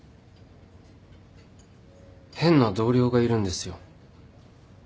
変な同僚がいるんですよ。